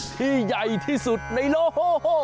ใหญ่ที่สุดในโลก